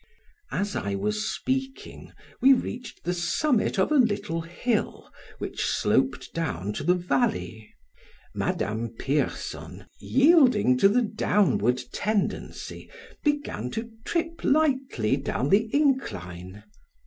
As I was speaking, we reached the summit of a little hill which sloped down to the valley; Madame Pierson, yielding to the downward tendency, began to trip lightly down the incline.